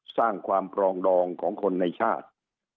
สร้างความปรองดองของคนในชาติ